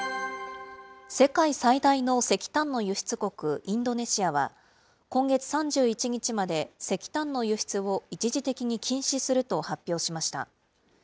世界最大の石炭の輸出国、インドネシアは、今月３１日まで、石炭の輸出を一時的に禁止すると発表しました。